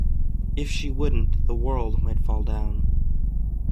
If she wouldn't, the World might fall down.